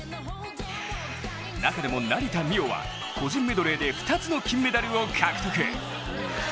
中でも、成田実生は個人メドレーで２つの金メダルを獲得。